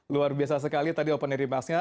luar biasa sekali tadi open ended remarks nya